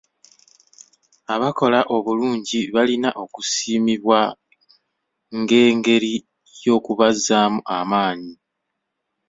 Abakola obulungi balina okusiimibwa ng'engeri y'okubazzaamu amaanyi.